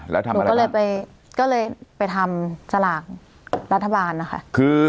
หนูก็เลยไปทำสลากรัฐบาลค่ะ